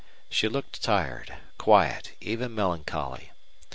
She looked tired, quiet, even melancholy.